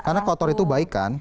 karena kotor itu baik kan